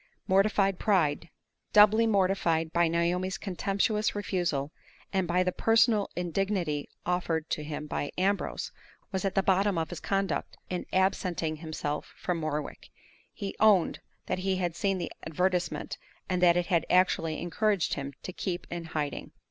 Mortified pride doubly mortified by Naomi's contemptuous refusal and by the personal indignity offered to him by Ambrose was at the bottom of his conduct in absenting himself from Morwick. He owned that he had seen the advertisement, and that it had actually encouraged him to keep in hiding!